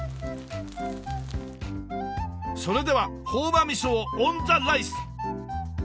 それでは朴葉みそをオンザライス！